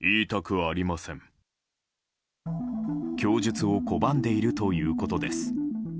供述を拒んでいるということです。